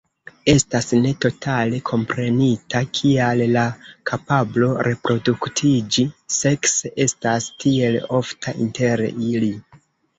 Estas ne totale komprenita kial la kapablo reproduktiĝi sekse estas tiel ofta inter ili.